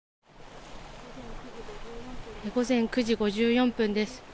午前９時５４分です。